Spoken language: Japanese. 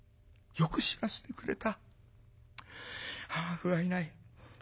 よく知らしてくれた」。